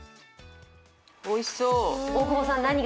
おいしそう。